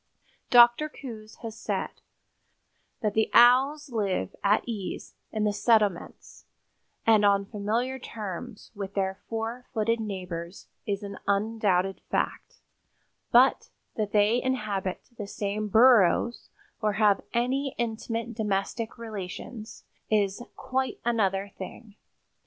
Dr. Coues has said "that the Owls live at ease in the settlements and on familiar terms with their four footed neighbors is an undoubted fact; but that they inhabit the same burrows or have any intimate domestic relations is quite another thing.